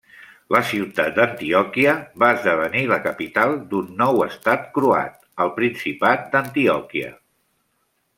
La ciutat d'Antioquia va esdevenir la capital d'un nou estat croat, el Principat d'Antioquia.